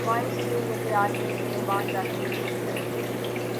ہوائے صبح یک عالم گریباں چاکی گل ہے